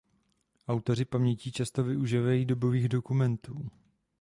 Autoři pamětí často využívají dobových dokumentů.